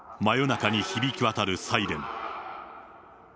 真夜中に響き渡るサイレン。